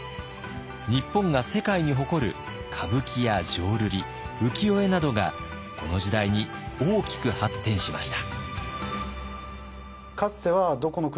日本が世界に誇る歌舞伎や浄瑠璃浮世絵などがこの時代に大きく発展しました。